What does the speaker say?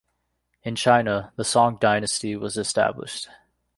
In China the Song dynasty was established.